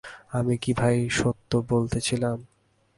আমি কি ভাই সত্য বলিতেছিলাম?